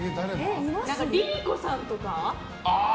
ＬｉＬｉＣｏさんとか。